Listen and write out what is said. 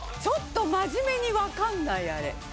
ちょっと真面目にわかんないあれ。